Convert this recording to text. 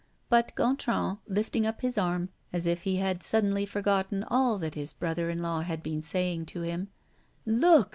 But Gontran, lifting up his arm, as if he had suddenly forgotten all that his brother in law had been saying to him: "Look!